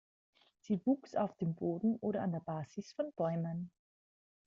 Sie wuchs auf dem Boden oder an der Basis von Bäumen.